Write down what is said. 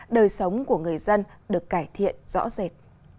đời sống của người dân được cải thiện rõ rệt